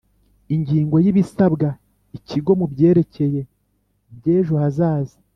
Ingingo y’ibisabwa ikigo mu byerekeye byejo hazaza